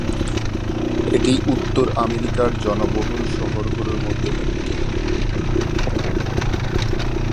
এটি উত্তর আমেরিকার জনবহুল শহরগুলোর মধ্যে একটি।